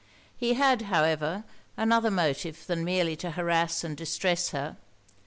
He had, however, another motive than merely to harrass and distress her.